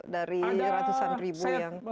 dari ratusan ribu yang